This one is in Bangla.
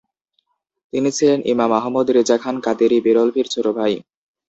তিনি ছিলেন ইমাম আহমদ রেজা খান কাদেরী বেরলভীর ছোট ভাই।